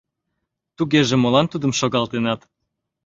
— Тугеже молан Тудым шогалтенат?..